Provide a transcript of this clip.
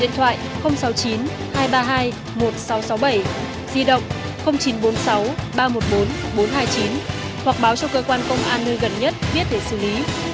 điện thoại sáu mươi chín hai trăm ba mươi hai một nghìn sáu trăm sáu mươi bảy di động chín trăm bốn mươi sáu ba trăm một mươi bốn bốn trăm hai mươi chín hoặc báo cho cơ quan công an nơi gần nhất biết để xử lý